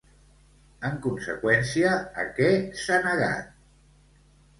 En conseqüència, a què s'ha negat?